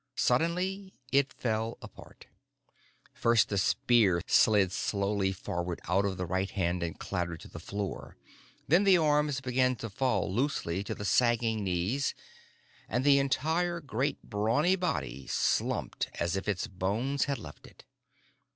Suddenly, it fell apart. First the spear slid slowly forward out of the right hand and clattered to the floor. Then the arms began to fall loosely to the sagging knees and the entire great, brawny body slumped as if its bones had left it.